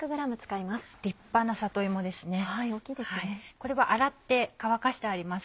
これは洗って乾かしてあります。